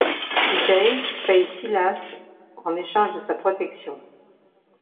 Jay paye Silas en échange de sa protection.